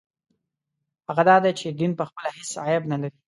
هغه دا دی چې دین پخپله هېڅ عیب نه لري.